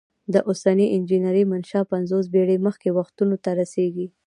د اوسنۍ انجنیری منشا پنځوس پیړۍ مخکې وختونو ته رسیږي.